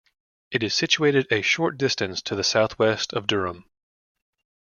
It is situated a short distance to the southwest of Durham.